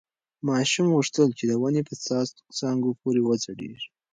ماشوم غوښتل چې د ونې په څانګو پورې وځړېږي.